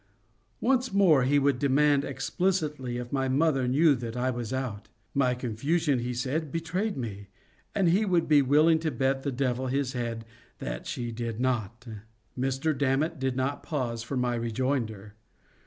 Once more he would demand explicitly if my mother knew that I was out. My confusion, he said, betrayed me, and he would be willing to bet the Devil his head that she did not. Mr. Dammit did not pause for my rejoinder.